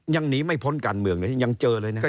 ยังหนีไม่พ้นกันเมืองยังเจอเลยนะ